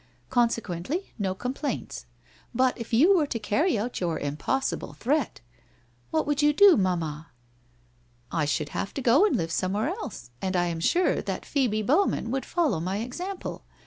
Consequently no complaints. But if you were to carry out your impos sible threat ?'' What would you do, mamma ?'' I should have to go and live somewhere else, and I am sure that Phoebe Bowman would follow my example.